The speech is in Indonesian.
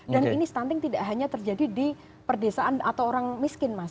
dan ini stunting tidak hanya terjadi di perdesaan atau orang miskin mas